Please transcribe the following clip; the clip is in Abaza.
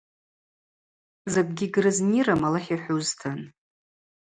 Закӏгьи гьрызнирым, Алахӏ йхӏвузтын.